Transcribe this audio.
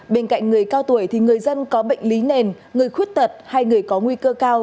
bên cạnh người cao tuổi thì người dân có bệnh lý nền người khuyết tật hay người có nguy cơ cao